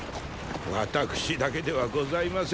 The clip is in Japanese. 私だけではございませぬ。